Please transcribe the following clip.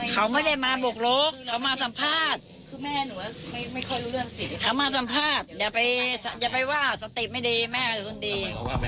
เขาไม่ได้มาบุกรุกเขามาสัมภาษณ์เขาม้าสัมภาษณ์อย่าไปอย่าไปว่าสติบไม่ดีแม่เขาคนดี